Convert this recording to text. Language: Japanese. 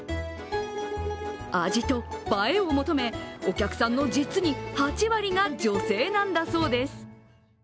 味と映えを求め、お客さんの実に８割が女性なんだそうです。